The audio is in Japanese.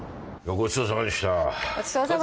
ごちそうさまでした。